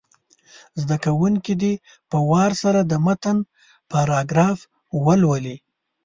زده کوونکي دې په وار سره د متن پاراګراف ولولي.